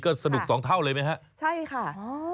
ก็สนุกสองเท่าเลยไหมฮะใช่ค่ะอ๋อ